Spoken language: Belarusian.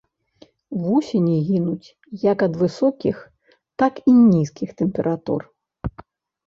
Вусені гінуць як ад высокіх, так і нізкіх тэмператур.